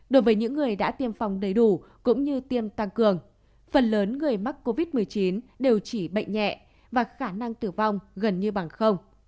đối với những người đã tiêm phòng đầy đủ cũng như tiêm tăng cường phần lớn người mắc covid một mươi chín đều chỉ bệnh nhẹ và khả năng tử vong gần như bằng không